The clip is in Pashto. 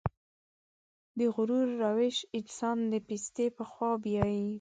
د غرور روش انسان د پستۍ په خوا بيايي.